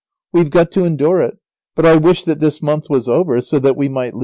We have got to endure it, but I wish that this month was over, so that we might leave it."